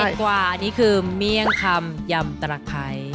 กว่าอันนี้คือเมี่ยงคำยำตระไคร้